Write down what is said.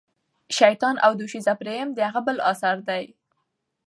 شیطان او دوشیزه پریم د هغه بل اثر دی.